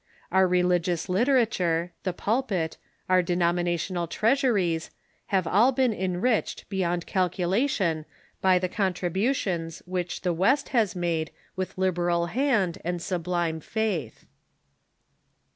Our religious literature, the pulpit, our denominational treasuries, have all been enriched beyond calculation by the contributions which the West has made with liberal hand and sublime faith.